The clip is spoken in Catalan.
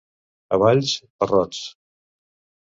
A Valls, barrots.